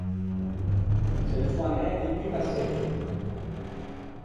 Se ne son anæti tutt’assemme.